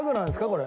これ。